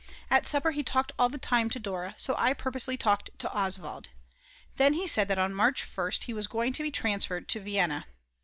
At supper he talked all the time to Dora, so I purposely talked to Oswald. Then he said that on March 1st he was going to be transferred to Vienna.